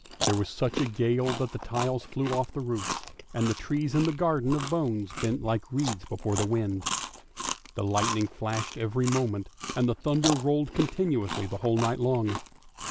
There was such a gale that the tiles flew off the roofs, and the trees in the garden of bones bent like reeds before the wind. The lightning flashed every moment, and the thunder rolled continuously the whole night long.